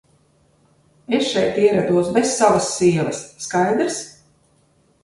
Es šeit ierados bez savas sievas, skaidrs?